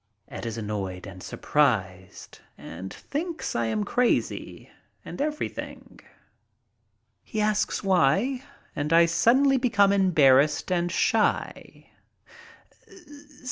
Ed is annoyed and surprised and thinks I am crazy and everything. He asks why, and I suddenly become embar rassed and shy.